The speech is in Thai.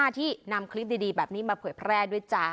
ที่นำคลิปดีแบบนี้มาเผยแพร่ด้วยจ๊ะ